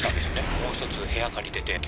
もう１つ部屋借りてて。